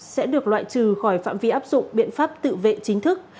sẽ được loại trừ khỏi phạm vi áp dụng biện pháp tự vệ chính thức